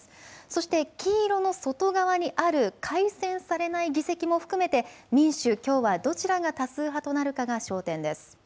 そして黄色の外側にある改選されない議席も含めて民主、共和、どちらが多数派となるかが焦点です。